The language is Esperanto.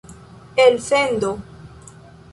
elsendo